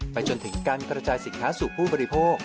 จนถึงการกระจายสินค้าสู่ผู้บริโภค